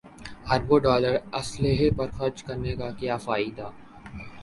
اربوں ڈالر اسلحے پر خرچ کرنے کا کیا فائدہ